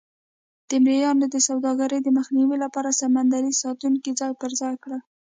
د مریانو د سوداګرۍ د مخنیوي لپاره سمندري ساتونکي ځای پر ځای کړل.